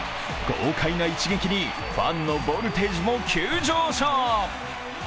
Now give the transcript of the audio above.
豪快な一撃にファンのボルテージも急上昇。